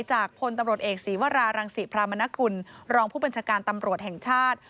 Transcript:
พลตำรวจเอกศีวรารังศิพรามนกุลรองผู้บัญชาการตำรวจแห่งชาติ